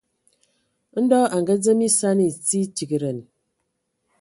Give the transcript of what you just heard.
Ndɔ a ngadzem esani, sie tigedan.